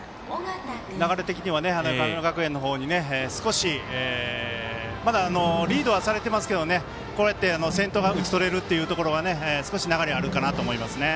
流れ的には神村学園の方に少しリードはされていますけどこうやって先頭打ち取れるのは少し流れ、あるかなと思いますね。